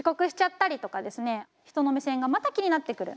人の目線がまた気になってくる。